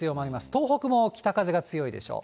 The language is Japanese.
東北も北風が強いでしょう。